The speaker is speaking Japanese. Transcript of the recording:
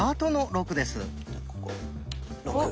６。